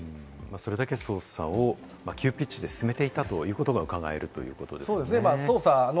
それだけ捜査を急ピッチで進めていたということが伺えるんですね。